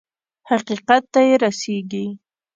حقيقت ته يې رسېږي.